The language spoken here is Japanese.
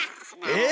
え